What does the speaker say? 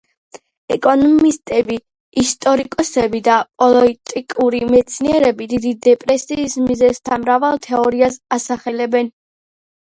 ეკონომისტები, ისტორიკოსები და პოლიტიკური მეცნიერები დიდი დეპრესიის მიზეზთა მრავალ თეორიას ასახელებენ.